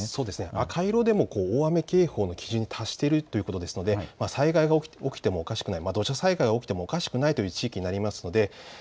赤色でも大雨警報の基準に達しているということですので災害が起きてもおかしくない土砂災害が起きてもおかしくない地域になります。